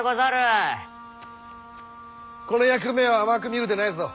この役目を甘く見るでないぞ。